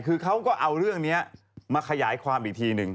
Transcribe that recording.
คือเขาก็เอาเรื่องนี้มาขยายความอีกทีหนึ่ง